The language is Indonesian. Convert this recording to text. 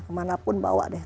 kemana pun bawa deh